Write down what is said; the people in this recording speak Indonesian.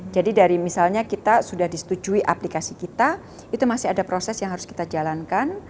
jadi dari misalnya kita sudah disetujui aplikasi kita itu masih ada proses yang harus kita jalankan